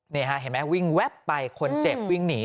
เห็นไหมวิ่งแว๊บไปคนเจ็บวิ่งหนี